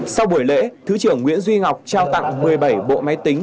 sau buổi lễ thứ trưởng nguyễn duy ngọc trao tặng một mươi bảy bộ máy tính